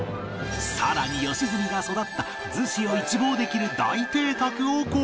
さらに良純が育った逗子を一望できる大邸宅を公開！